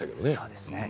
そうですね。